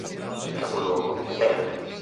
Il capoluogo è Berg.